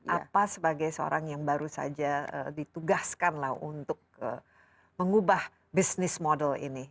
apa sebagai seorang yang baru saja ditugaskan lah untuk mengubah bisnis model ini